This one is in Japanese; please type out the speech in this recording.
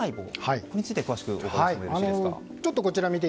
これについて詳しくお伺いしてもよろしいですか。